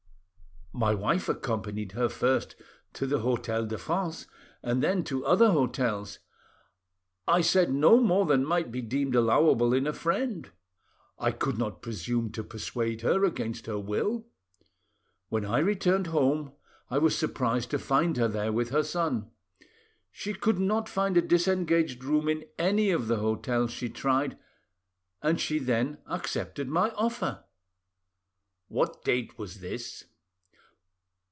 "My wife accompanied her first to the Hotel de France, and then to other hotels. I said no more than might be deemed allowable in a friend; I could not presume to persuade her against her will. When I returned home, I was surprised to find her there with her son. She could not find a disengaged room in any of the hotels she tried, and she then accepted my offer." "What date was this?"